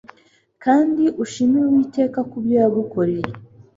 Kandi ushimire Uwiteka kubyo ya gukoreye